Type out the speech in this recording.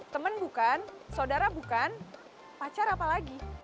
temen bukan sodara bukan pacar apa lagi